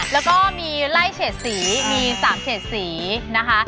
แล้วก็มีไล่เฉดสีมี๓เฉดสีนะคะ